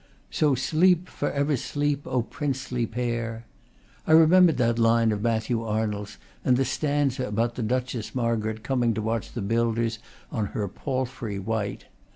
"So sleep, forever sleep, O princely pair!" I remembered that line of Matthew Arnold's, and the stanza about the Duchess Margaret coming to watch the builders on her palfry white.